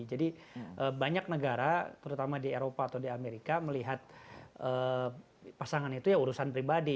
jadi banyak negara terutama di eropa atau di amerika melihat pasangan itu ya urusan pribadi